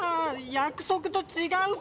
やくそくとちがうポタ。